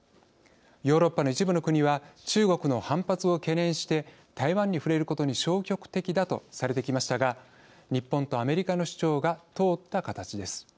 ヨーロッパの一部の国は中国の反発を懸念して台湾に触れることに消極的だとされてきましたが日本とアメリカの主張が通った形です。